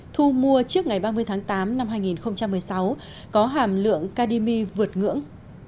thu mua trước ngày ba mươi tháng tám năm hai nghìn một mươi sáu có hàm lượng kdmi vượt ngưỡng